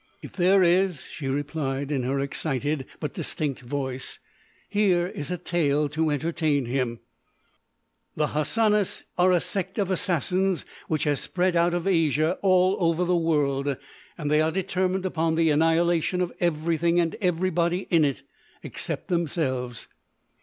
"If there is," she replied in her excited but distinct voice, "here is a tale to entertain him: "The Hassanis are a sect of assassins which has spread out of Asia all over the world, and they are determined upon the annihilation of everything and everybody in it except themselves!